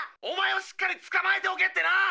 おまえをしっかりつかまえておけってな！